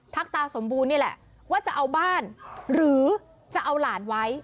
ตาสมบูรณ์นี่แหละว่าจะเอาบ้านหรือจะเอาหลานไว้